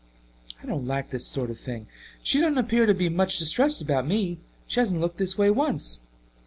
I don't like this sort of thing. She doesn't appear to be much distressed about me she hasn't looked this way once.